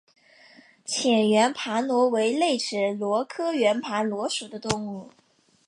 浅圆盘螺为内齿螺科圆盘螺属的动物。